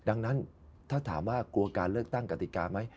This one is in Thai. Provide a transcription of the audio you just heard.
ดังนั้นถ้าถามว่ากลัวการเลือกตั้งกติกาไหม